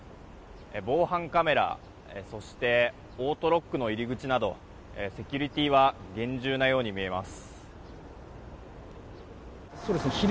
防犯カメラそしてオートロックの入り口などセキュリティーは厳重なように見えます。